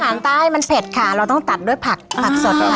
เพราะว่าอาหารใต้มันเผ็ดค่ะเราต้องตัดด้วยผักผักสดค่ะ